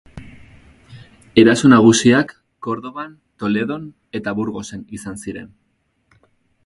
Eraso nagusiak Kordoban, Toledon eta Burgosen izan ziren.